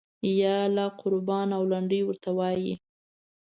یاله قربان او لنډۍ ورته وایي.